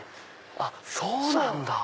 あっそうなんだ！